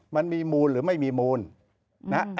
มันมีมูลหรือไม่มีมูลนะฮะ